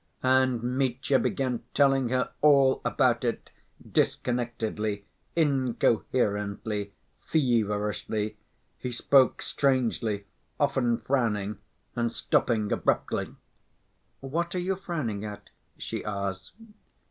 And Mitya began telling her all about it, disconnectedly, incoherently, feverishly. He spoke strangely, often frowning, and stopping abruptly. "What are you frowning at?" she asked.